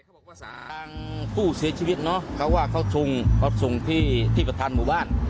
บอกว่าทางผู้เสียชีวิตเนอะเขาว่าเขาส่งที่ที่ประธานหมู่บ้าน